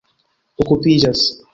okupiĝas